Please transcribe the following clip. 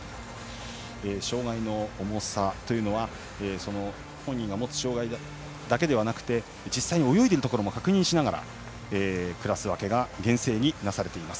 障がいの重さは本人が持つ障がいだけではなく実際に泳いでいるところも確認しながらクラス分けが厳正になされています。